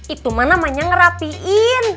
itu mah namanya ngerapiin